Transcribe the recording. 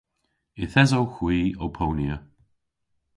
Yth esowgh hwi ow ponya.